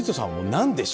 「何で？」